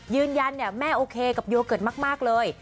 ยืนยันแม่โอเคกับโยเกิร์ตมากเลย